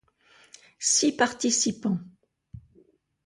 Six participants.